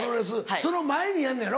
その前にやんのやろ？